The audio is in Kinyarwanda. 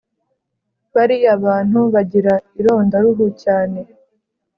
Bariya bantu bagira ironda ruhu cyane